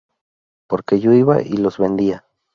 Porque yo iba y los vendía.